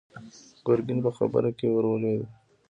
ګرګين په خبره کې ور ولوېد.